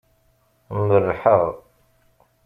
Merrḥeɣ.